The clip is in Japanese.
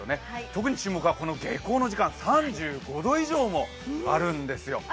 特に注目はこの下校の時間３５度以上もあるんですよ。